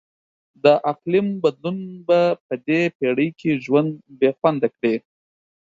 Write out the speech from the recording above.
د اقلیم بدلون به په دې پیړۍ کې ژوند بیخونده کړي.